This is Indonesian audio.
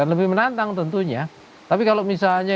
lebih menantang tentunya tapi kalau misalnya